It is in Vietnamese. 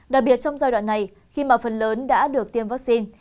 đặc biệt trong giai đoạn này khi mà phần lớn đã được tiêm vaccine